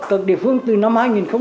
các địa phương từ năm hai nghìn một mươi